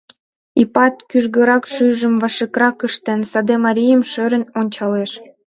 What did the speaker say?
Ипат, кӱжгырак шӱйжым важыкрак ыштен, саде марийым шӧрын ончалеш.